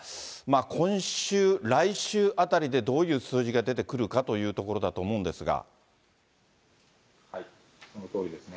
今週、来週あたりで、どういう数字が出てくるかというところだとそのとおりですね。